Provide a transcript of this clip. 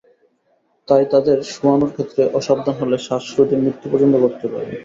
তাই তাদের শোয়ানোর ক্ষেত্রে অসাবধান হলে শ্বাসরোধে মৃত্যু পর্যন্ত ঘটতে পারে।